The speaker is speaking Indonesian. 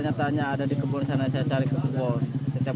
simpang siurnya itu ada di gunung lagi naik lagi ke gunung nggak ada